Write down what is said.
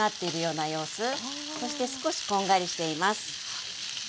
そして少しこんがりしています。